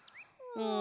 うん。